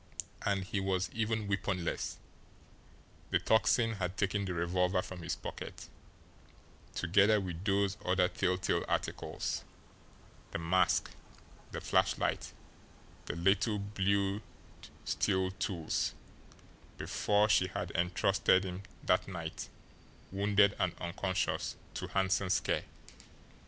And he was even weaponless the Tocsin had taken the revolver from his pocket, together with those other telltale articles, the mask, the flashlight, the little blued steel tools, before she had intrusted him that night, wounded and unconscious, to Hanson's care.